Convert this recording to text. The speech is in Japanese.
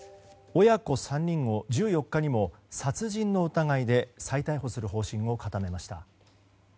親子３人を１４日にも殺人の疑いで再逮捕する方針を固めました。